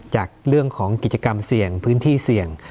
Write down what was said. จากเรื่องของกิจกรรมเสี่ยงพื้นที่เสี่ยง